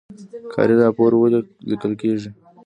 کاري راپور ولې لیکل کیږي؟